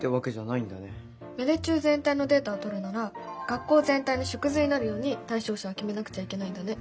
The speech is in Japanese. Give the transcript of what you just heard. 芽出中全体のデータをとるなら学校全体の縮図になるように対象者を決めなくちゃいけないんだね。